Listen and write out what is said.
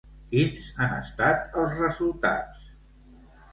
Quins han estat els resultats?